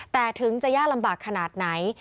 แต่ถึงจะยากลำบากขนาดไหน